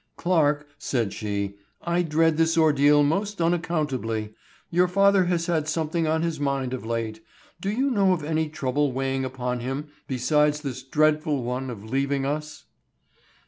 "Clarke," said she, "I dread this ordeal most unaccountably. Your father has had something on his mind of late. Do you know of any trouble weighing upon him besides this dreadful one of leaving us?"